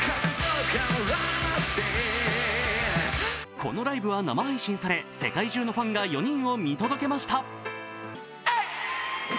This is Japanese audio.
このライブは生配信され、世界中のファンが４人を見届けました。